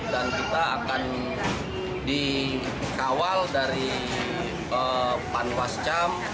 dan kita akan dikawal dari panwascam